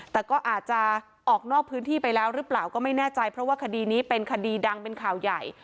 แต่ก็อาจจะออกนอกพื้นที่ไปแล้วหรือเปล่าก็ไม่แน่ใจเพราะว่าคดีนี้เป็นคดีดังเป็นข่าวใหญ่